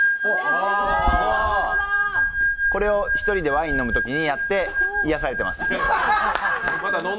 これを１人でワインを飲むときにやって癒やされています。